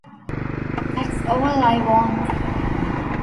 That's all I want.